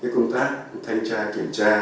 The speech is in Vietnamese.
công tác thay tra kiểm tra